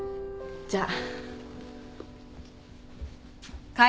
じゃあ。